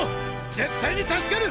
絶対に助ける！